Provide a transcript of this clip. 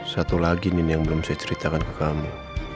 satu lagi nin yang belum saya ceritakan ke kamu